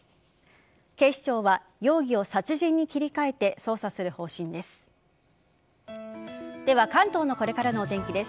警視庁は容疑を殺人に切り替えて捜査する方針です。